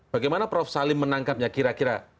bagaimana prof salim menangkapnya kira kira